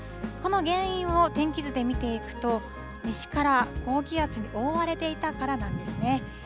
この原因を天気図で見ていくと、西から高気圧に覆われていたからなんですね。